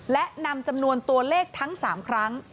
และนำจำนวนตัวเลขทั้ง๓ครั้ง